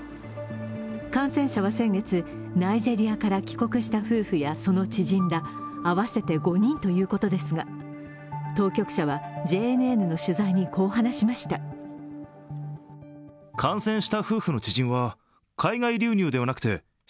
感染者は先月、ナイジェリアから帰国した夫婦やその知人ら合わせて５人ということですが、当局者はＪＮＮの取材に、こう話しました。